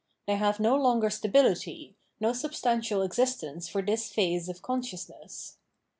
They have no longer stability, no substantial existence for this phase of consciousness.